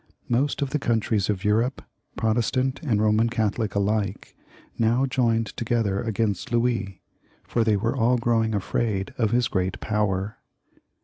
Most of the countries of Europe, Protestant and Eoman Catholic alike, now joined together against Louis, for they were all growing afraid of his great power.